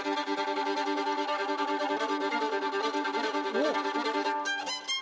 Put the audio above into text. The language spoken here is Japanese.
おっ！